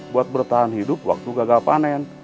buat bertahan hidup waktu gagal panen